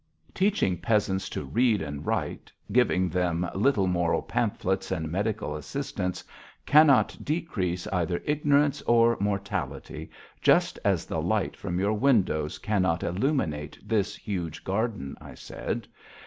"Teaching peasants to read and write, giving them little moral pamphlets and medical assistance, cannot decrease either ignorance or mortality, just as the light from your windows cannot illuminate this huge garden," I said.